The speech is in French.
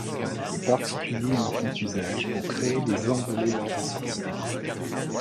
Les particuliers en font usage pour créer des envolées lors des sorties des mariages.